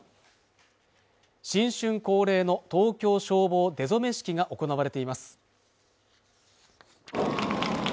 新春恒例の東京消防出初式が行われています